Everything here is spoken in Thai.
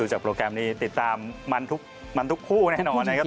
จากโปรแกรมนี้ติดตามมันทุกคู่แน่นอนนะครับ